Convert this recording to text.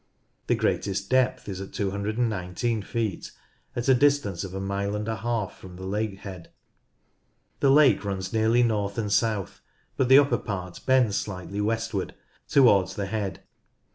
The greatest depth is 219 feet, at a distance of a mile and a half from the lake head. The lake runs nearly north and south, but the upper part bends slightly westward towards the head.